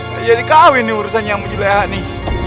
kayak jadi kawin nih urusannya sama jelah jelah nih